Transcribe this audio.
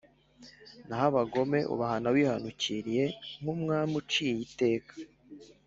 naho abo bagome ubahana wihanukiriye, nk’umwami uciye iteka.